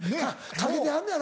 かけてはんねやろ？